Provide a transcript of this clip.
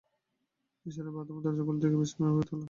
নিসার আলি বাথরুমের দরজা খুলতে গিয়ে বিস্ময়ে অভিভূত হলেন।